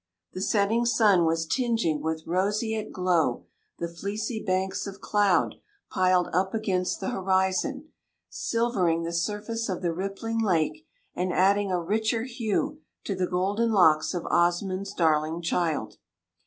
The setting sun was tingeing with roseate glory the fleecy banks of cloud, piled up against the horizon, silvering the surface of the rippling lake, and adding a richer hue to the golden locks of Osmund's darling child.